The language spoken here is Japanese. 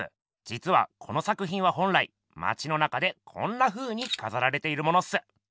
じつはこの作品は本来まちの中でこんなふうにかざられているものっす。